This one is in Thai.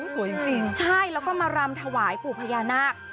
สวยจริงใช่แล้วก็มารำถวายปู่พญานาค